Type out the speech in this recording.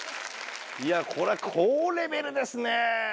いやこれは高レベルですね。